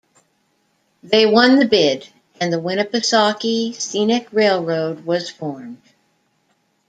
They won the bid, and the Winnipesaukee Scenic Railroad was formed.